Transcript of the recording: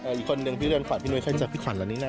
อีกคนนึงพี่เรือนฝันพี่นวยเค้าจะฝันแบบนี้น่ะ